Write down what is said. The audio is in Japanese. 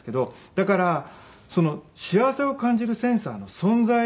だから幸せを感じるセンサーの存在をね